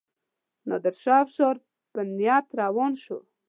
نادرشاه افشار په نیت روان شو.